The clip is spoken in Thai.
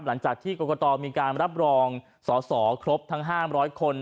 หลังจากที่กรกตมีการรับรองสอสอครบทั้ง๕๐๐คน